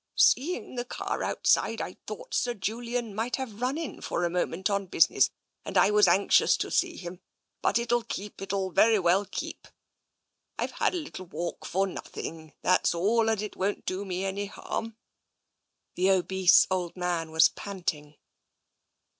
" Seeing the car outside, I thought Sir Julian might have run in for a moment on business, and I was anxious to see him. But it'll keep — it'll very well keep. I've had a little walk for nothing, that's all, and it won't do me any harm." The obese old man was panting.